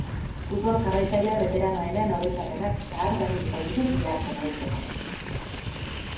Futbol jarraitzaile beteranoenen oroitzapenak zaharberrituko ditu biharko neurketak.